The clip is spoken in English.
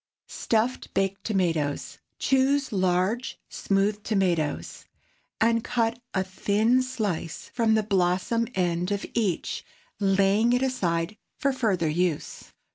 STUFFED BAKED TOMATOES. ✠ Choose large, smooth tomatoes, and cut a thin slice from the blossom end of each, laying it aside for further use.